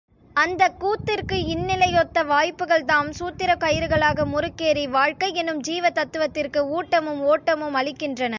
அந்தக் கூத்திற்கு இங்நிலையொத்த வாய்ப்புக்கள்தாம் சூத்திரக் கயிறுகளாக முறுக்கேறி, வாழ்க்கை எனும் ஜீவ தத்துவத்திற்கு ஊட்டமும் ஓட்டமும் அளிக்கின்றன.